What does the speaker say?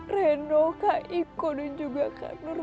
reno kak iko dan juga kak nur